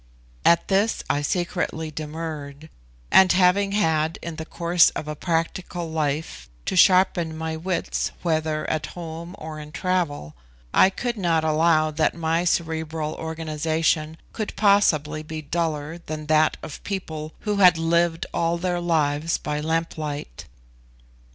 At this I secretly demurred; and having had in the course of a practical life, to sharpen my wits, whether at home or in travel, I could not allow that my cerebral organisation could possibly be duller than that of people who had lived all their lives by lamplight.